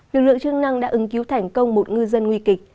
lực lượng chức năng đã ứng cứu thành công một ngư dân nguy kịch